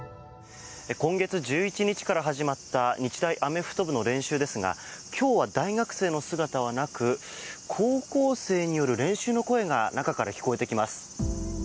今月１１日から始まった日大アメフト部の練習ですが今日は大学生の姿はなく高校生による練習の声が中から聞こえてきます。